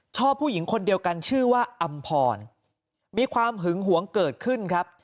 ชอบผู้หญิงคนเดียวกันชื่อว่าอำพรมีความหึงหวงเกิดขึ้นครับ